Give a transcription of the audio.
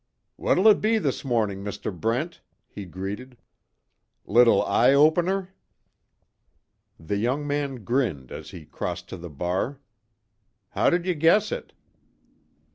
"What'll it be this morning, Mr. Brent?" he greeted. "Little eye opener?" The young man grinned as he crossed to the bar: "How did you guess it?"